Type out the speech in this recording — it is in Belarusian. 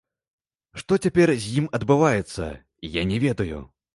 Што цяпер з ім адбываецца, я не ведаю.